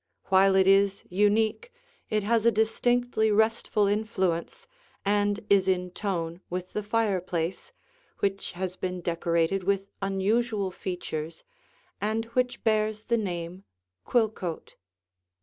While it is unique, it has a distinctly restful influence and is in tone with the fireplace, which has been decorated with unusual features and which bears the name "Quillcote."